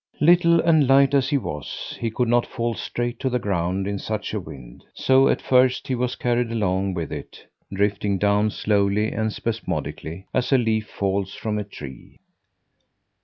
Little and light as he was, he could not fall straight to the ground in such a wind; so at first he was carried along with it, drifting down slowly and spasmodically, as a leaf falls from a tree.